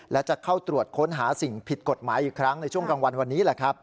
และจะเข้าตรวจค้นหาสิ่งผิดกฎหมายอีกครั้งในช่วงกลางวันวันนี้แหละครับ